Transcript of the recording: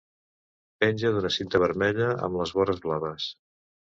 Penja d'una cinta vermella amb les vores blaves.